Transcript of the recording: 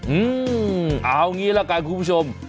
อืมเอางี้ละกันคุณผู้ชม